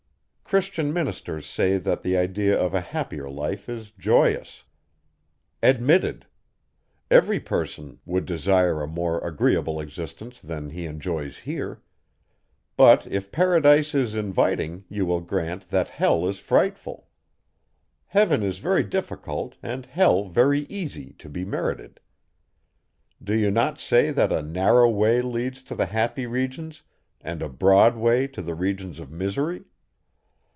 Christian ministers say that the idea of a happier life is joyous. Admitted. Every person would desire a more agreeable existence than that he enjoys here. But, if paradise is inviting, you will grant, that hell is frightful. Heaven is very difficult, and hell very easy to be merited. Do you not say, that a narrow way leads to the happy regions, and a broad way to the regions of misery?